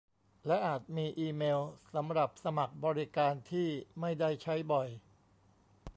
และอาจมีอีเมลสำหรับสมัครบริการที่ไม่ได้ใช้บ่อย